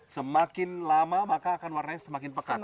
semakin pekat iya